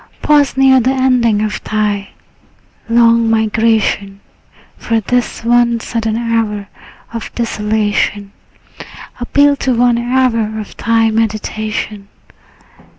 Pause near the ending of thy long migration; For this one sudden hour of desolation Appeals to one hour of thy meditation.